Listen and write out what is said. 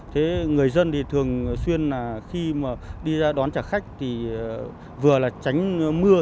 thế người dân thì thường xuyên là khi mà đi ra đón trả khách thì vừa là tránh mưa